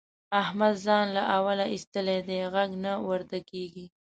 احمد ځان له اوله اېستلی دی؛ غږ نه ورته کېږي.